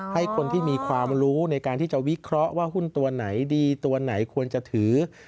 ให้คนที่มีความรู้ในการที่จะวิเคราะห์ว่าหุ้นตัวไหนดีตัวไหนควรจะถือ